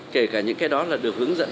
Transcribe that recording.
kể cả những cái đó là được hướng dẫn